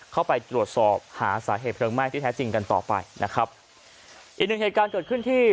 เข้าไปตรวจสอบหาสาเหตุเพลิงไหม้ที่แท้จริงกันต่อไปนะครับอีกหนึ่งเหตุการณ์เกิดขึ้นที่